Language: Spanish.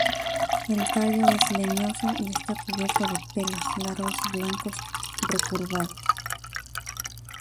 El tallo es leñoso y está cubierto de pelos largos blancos recurvados.